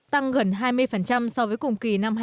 tăng gần hai mươi so với cùng kỳ năm hai nghìn một mươi tám